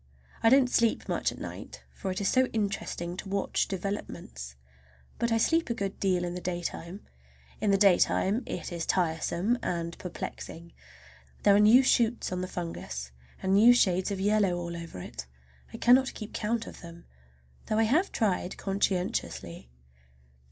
I don't sleep much at night, for it is so interesting to watch developments; but I sleep a good deal in the daytime. In the daytime it is tiresome and perplexing. There are always new shoots on the fungus, and new shades of yellow all over it. I cannot keep count of them, though I have tried conscientiously.